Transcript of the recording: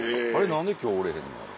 何で今日おれへんのやろ。